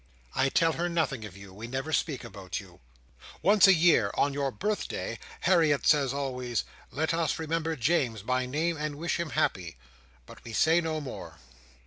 "I tell her nothing of you. We never speak about you. Once a year, on your birthday, Harriet says always, 'Let us remember James by name, and wish him happy,' but we say no more."